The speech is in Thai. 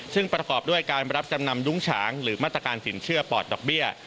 ซึ่งประกอบด้วยการรับจำนำยุ้งฉางหรือมาตรการสินเชื่อปอดดอกเบี้ย